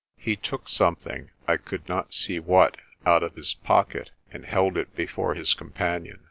He took something I could not see what out of his pocket and held it before his companion.